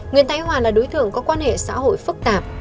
nguyên tách hòa là đối tượng có quan hệ xã hội phức tạp